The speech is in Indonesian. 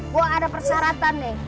gue ada persyaratan nih